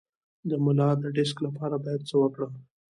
د ملا د ډیسک لپاره باید څه وکړم؟